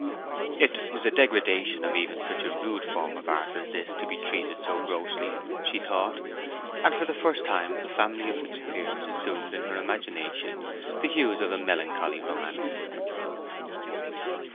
It was a degradation of even such a rude form of art as this to be treatad so grossly, she thought, and for the first time the family of Fitzpiers assumed in her imagination the hues of a melancholy romanticism.